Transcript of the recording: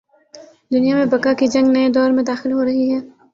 دنیا میں بقا کی جنگ نئے دور میں داخل ہو رہی ہے۔